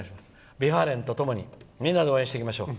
Ｖ・ファーレンとともにみんなで応援していきましょう。